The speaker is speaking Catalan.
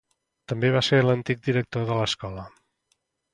També va ser l'antic director de l'escola.